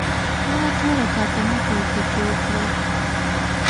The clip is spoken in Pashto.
ما دوه رکعته نفل په کې وکړل.